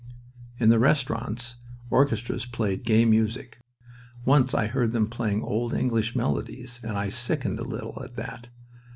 In the restaurants orchestras played gay music. Once I heard them playing old English melodies, and I sickened a little at that.